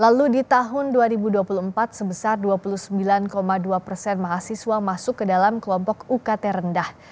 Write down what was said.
lalu di tahun dua ribu dua puluh empat sebesar dua puluh sembilan dua persen mahasiswa masuk ke dalam kelompok ukt rendah